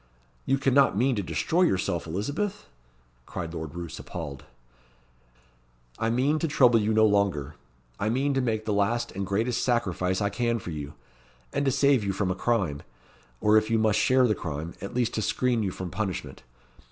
"You cannot mean to destroy yourself, Elizabeth?" cried Lord Roos, appalled. "I mean to trouble you no longer. I mean to make the last and greatest sacrifice I can for you; and to save you from a crime or, if you must share the crime, at least to screen you from punishment.